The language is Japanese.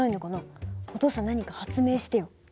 お父さん何か発明してよ。